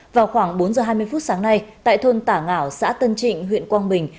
vào khoảng bốn giờ hai mươi phút sáng nay tại thôn tả ngảo xã tân trịnh huyện quang bình